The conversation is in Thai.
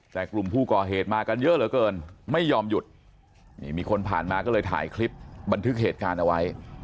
แต่กลุ่มผู้ก่อเหตุมากันเยอะเหลือเกินไม่ยอมหยุดนี่มีคนผ่านมาก็เลยถ่ายคลิปบันทึกเหตุการณ์เอาไว้